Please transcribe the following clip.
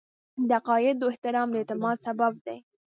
د عقایدو احترام د اعتماد سبب دی.